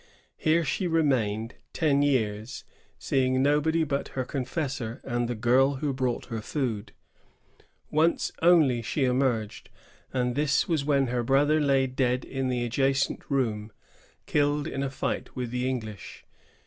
Here she remained ten years, seeing nobody but her confessor and the girl who brought her food. Once only she emerged, and this was when her brother lay dead in the adjacent room, killed in a fight with the English.